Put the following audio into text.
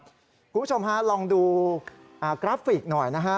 คุณผู้ชมฮะลองดูกราฟิกหน่อยนะฮะ